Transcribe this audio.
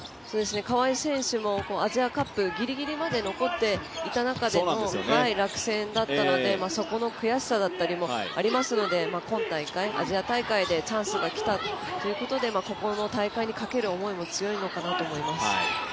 川井選手も、アジアカップギリギリまで残っていた中での落選だったので、そこの悔しさだったりもありますので今大会、アジア大会でチャンスがきたっていうところでここの大会にかける思いも強いのかなと思います。